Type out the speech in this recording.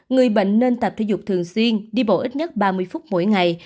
người bệnh nên tập thể dục thường xuyên đi bộ ít nhất ba mươi phút mỗi ngày